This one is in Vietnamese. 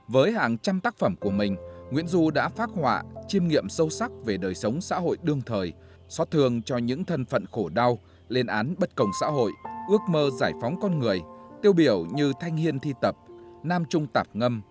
với hàng trăm tác phẩm của mình nguyễn du đã phát họa chiêm nghiệm sâu sắc về đời sống xã hội đương thời xót thường cho những thân phận khổ đau lên án bất cổng xã hội ước mơ giải phóng con người tiêu biểu như thanh hiên thi tập nam trung tạp ngâm